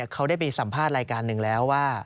เขาได้ไปสัมภาษณ์รายการหนึ่งแล้วว่า